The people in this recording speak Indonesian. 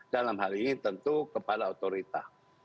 dalam hal ini tentu kepala otorita